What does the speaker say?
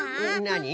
なに？